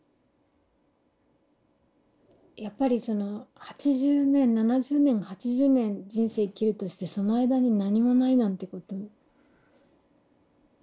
やっぱりその８０年７０年８０年人生生きるとしてその間に何もないなんてことよっぽどじゃないとないから。